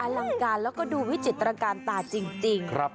ลังการแล้วก็ดูวิจิตรการตาจริง